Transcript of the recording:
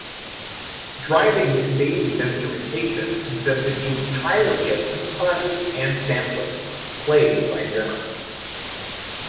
"Driving Miss Daisy"'s instrumentation consisted entirely of synthesizers and samplers, played by Zimmer.